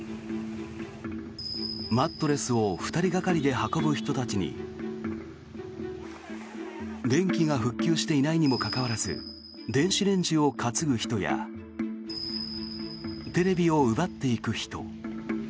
マットレスを２人がかりで運ぶ人たちに電気が復旧していないにもかかわらず電子レンジを担ぐ人やテレビを奪っていく人。